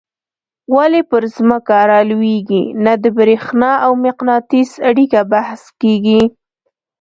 ولي پر ځمکه رالویږي نه د برېښنا او مقناطیس اړیکه بحث کیږي.